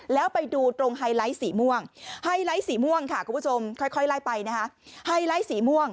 แล้วไปดูตรงไฮไลท์สีม่วงไฮไลท์สีม่วงค่ะคุณผู้ชม